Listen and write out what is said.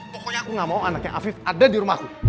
pokoknya aku gak mau anaknya afif ada di rumahku